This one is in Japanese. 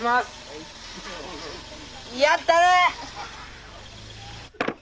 やったね！